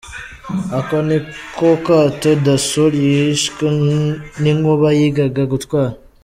Aka niko kato Dasoul wishwe n’inkuba yigaga gutwara.